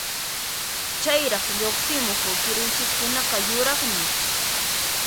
Chayraq lluqsimuq kirunchiskunaqa yuraqmi.